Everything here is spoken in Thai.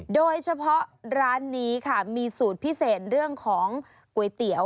โดยเฉพาะร้านนี้ค่ะมีสูตรพิเศษเรื่องของก๋วยเตี๋ยว